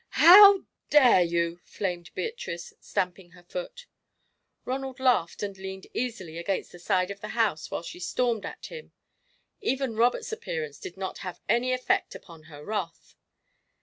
"How dare you!" flamed Beatrice, stamping her foot. Ronald laughed and leaned easily against the side of the house while she stormed at him. Even Robert's appearance did not have any effect upon her wrath.